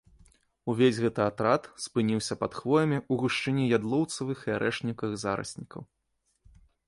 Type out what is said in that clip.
Увесь гэты атрад спыніўся пад хвоямі ў гушчыні ядлоўцавых і арэшнікавых зараснікаў.